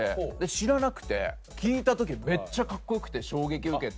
知らなくて聴いた時めっちゃ格好良くて衝撃受けて。